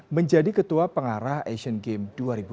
menjadi ketua pengarah asian games dua ribu delapan belas